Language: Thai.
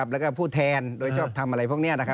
แล้วก็ผู้แทนโดยชอบทำอะไรพวกนี้